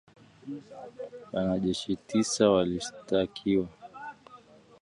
Wanajeshi tisa walishtakiwa